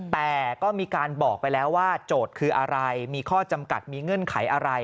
แต่ก็มีการบอกไปแล้วว่าโจทย์คืออะไรมีข้อจำกัดมีเงื่อนไขอะไร